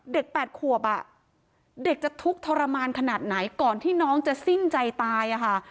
๘ขวบอ่ะเด็กจะทุกข์ทรมานขนาดไหนก่อนที่น้องจะสิ้นใจตายอะค่ะ